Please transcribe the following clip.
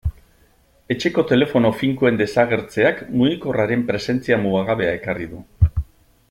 Etxeko telefono finkoen desagertzeak mugikorraren presentzia mugagabea ekarri du.